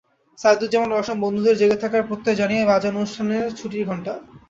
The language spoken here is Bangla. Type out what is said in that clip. সাইদুজ্জামান রওশন বন্ধুদের জেগে থাকার প্রত্যয় জানিয়ে বাজান অনুষ্ঠানের ছুটির ঘণ্টা।